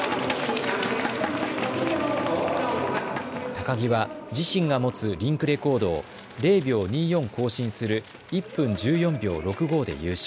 高木は自身が持つリンクレコードを０秒２４更新する１分１４秒６５で優勝。